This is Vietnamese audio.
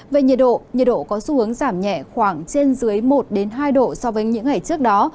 về nhiệt độ nhiệt độ có xu hướng giảm nhẹ khoảng trên dưới một hai độ so với những ngày trước đó